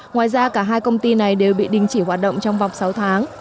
ngoài ra cả hai công ty này đều bị đình chỉ hoạt động trong vòng sáu tháng